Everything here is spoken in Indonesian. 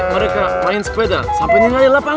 mereka lagi main sepeda tapi sekarang hilang